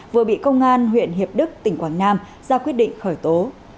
vừa bị công an huyện hiệp đức tỉnh quảng nam ra quyết định khởi tố